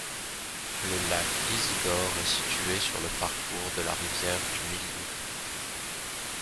Le lac Isidore est situé sur le parcours de la rivière du Milieu.